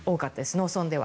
農村では。